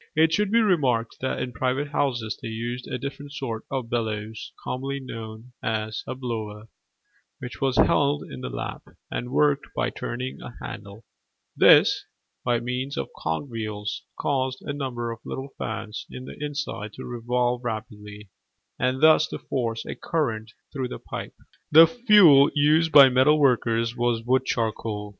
It should be remarked that in private houses they used a different sort of bellows, commonly called a 'blower,' which was held in the lap, and worked by turning a handle: this, by means of cog wheels, caused a number of little fans in the inside to revolve rapidly, and thus to force a current through the pipe. The fuel used by metal workers was wood charcoal.